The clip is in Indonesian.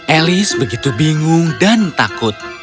elis begitu bingung dan takut